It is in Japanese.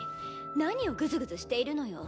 何をグズグズしているのよ。